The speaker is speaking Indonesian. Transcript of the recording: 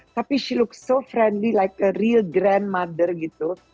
tapi dia terlihat sangat berkawan seperti ibu bapa sebenarnya gitu